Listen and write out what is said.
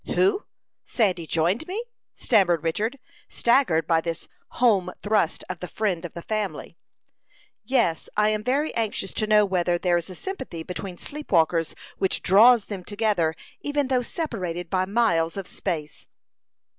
"Who? Sandy joined me?" stammered Richard, staggered by this home thrust of the friend of the family. "Yes; I am very anxious to know whether there is a sympathy between sleep walkers which draws them together, even though separated by miles of space."